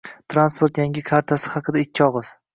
Transport Yangi kartasi haqida ikki oƣiz